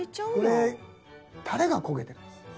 これタレが焦げてるんです。